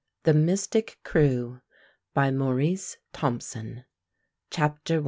THE MYSTIC KREWE. BY MAURICE THOMPSON. CHAPTER I.